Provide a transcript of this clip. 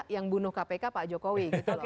yang bunuh kpk pak jokowi